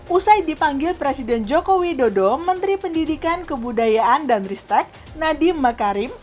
usai dipanggil presiden joko widodo menteri pendidikan kebudayaan dan ristek nadiem makarim